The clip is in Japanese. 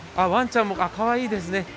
ワンちゃんもかわいいですね。